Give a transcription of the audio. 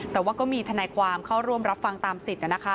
แต่ว่าก็มีทนายความเข้าร่วมรับฟังตามสิทธิ์